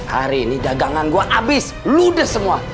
hari ini dagangan gua abis ludes semua